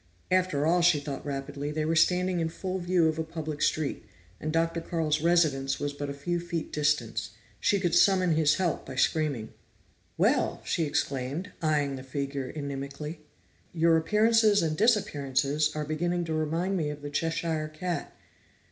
After all, she thought rapidly, they were standing in full view of a public street, and Dr. Carl's residence was but a few feet distant. She could summon his help by screaming. "Well!" she exclaimed, eyeing the figure inimically. "Your appearances and disappearances are beginning to remind me of the Cheshire Cat."